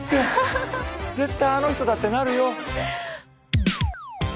絶対「あの人だ！」ってなるよ。